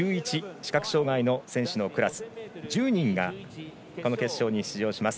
視覚障がいの選手のクラス１０人がこの決勝に出場します。